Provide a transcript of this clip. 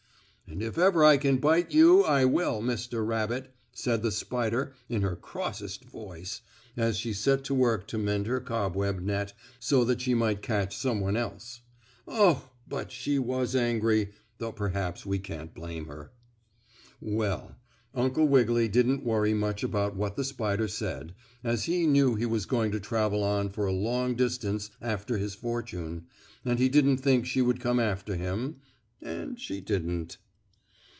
"And if ever I can bite you, I will, Mr. Rabbit," said the spider in her crossest voice, as she set to work to mend her cobweb net so that she might catch some one else. Oh! but she was angry, though perhaps we can't blame her. Well, Uncle Wiggily didn't worry much about what the spider said, as he knew he was going to travel on for a long distance after his fortune, and he didn't think she would come after him, and she didn't.